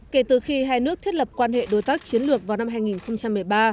kể từ khi hai nước thiết lập quan hệ đối tác chiến lược vào năm hai nghìn một mươi ba